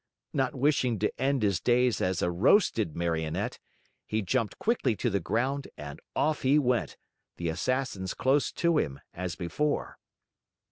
Not wishing to end his days as a roasted Marionette, he jumped quickly to the ground and off he went, the Assassins close to him, as before.